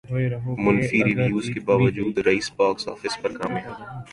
منفی ریویوز کے باوجود ریس باکس افس پر کامیاب